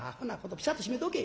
ピシャッと閉めておけ」。